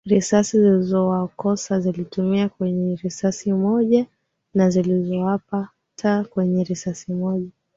risasi zilizowakosa zilitoka kwenye risasi moja na zilizowapata kwenye risasi moja